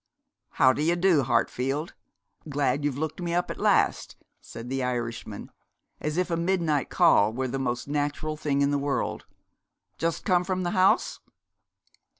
'How d'ye do, Hartfield? Glad you've looked me up at last,' said the Irishman, as if a midnight call were the most natural thing in the world. 'Just come from the House?'